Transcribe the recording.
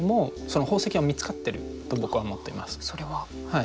はい。